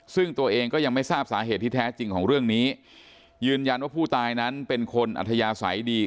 ซึ่งตัวเองก็ยังไม่ทราบสาเหตุที่แท้จริงของเรื่องนี้ยืนยันว่าผู้ตายนั้นเป็นคนอัธยาศัยดี